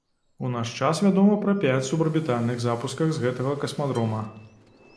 У наш час вядома пра пяць субарбітальных запусках з гэтага касмадрома.